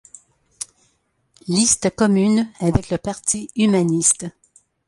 Liste commune avec le Parti humaniste.